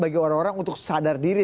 bagi orang orang untuk sadar diri